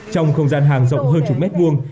trong không gian hàng rộng hơn chục mét vuông